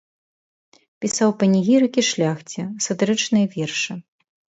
Пісаў панегірыкі шляхце, сатырычныя вершы.